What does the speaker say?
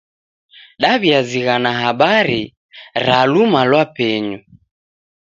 Daw'iazighana habari ra luma lwa penyu.